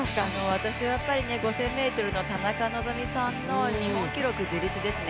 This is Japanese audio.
私は５０００ｍの田中希実さんの日本記録樹立ですね。